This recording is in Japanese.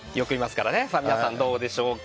皆さんどうでしょうか。